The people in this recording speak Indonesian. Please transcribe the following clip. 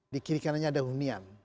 di kiri kanannya ada hunian